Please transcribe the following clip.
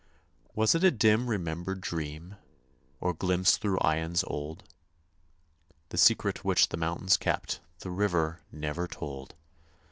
Was it a dim remembered dream? Or glimpse through aeons old? The secret which the mountains kept The river never told.